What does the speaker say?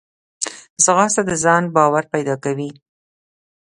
ځغاسته د ځان باور پیدا کوي